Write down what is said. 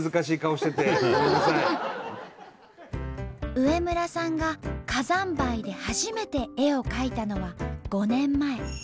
植村さんが火山灰で初めて絵を描いたのは５年前。